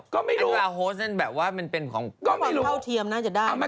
ความเท่าเทียมน่าจะได้